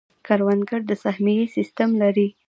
کروندګر د سهمیې سیستم لري.